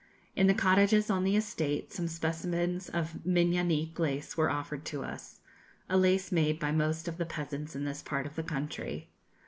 In the cottages on the estate some specimens of miñaque lace were offered to us a lace made by most of the peasants in this part of the country.